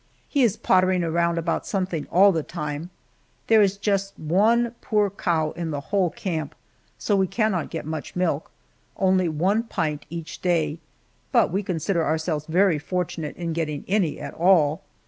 He is pottering around about something all the time. There is just one poor cow in the whole camp, so we cannot get much milk only one pint each day but we consider ourselves very fortunate in getting any at all.